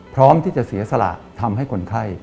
พร้อมที่จะเสียสละทำให้คนไข้